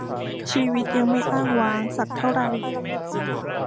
ชีวิตยังไม่อ้างว้าง สักเท่าไร